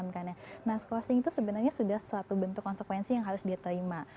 nah skosing itu sebenarnya sudah satu bentuk konsekuensi yang harus diterima